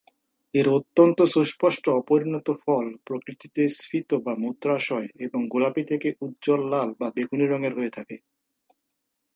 এর অত্যন্ত সুস্পষ্ট অপরিণত ফল প্রকৃতিতে স্ফীত বা মূত্রাশয় এবং গোলাপী থেকে উজ্জ্বল লাল বা বেগুনি রঙের হয়ে থাকে।